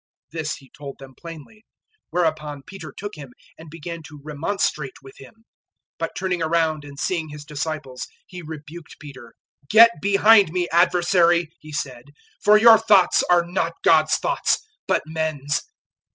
008:032 This He told them plainly; whereupon Peter took Him and began to remonstrate with Him. 008:033 But turning round and seeing His disciples, He rebuked Peter. "Get behind me, Adversary," He said, "for your thoughts are not God's thoughts, but men's."